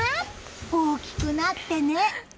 大きくなってね！